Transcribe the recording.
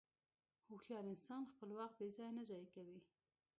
هوښیار انسان خپل وخت بېځایه نه ضایع کوي.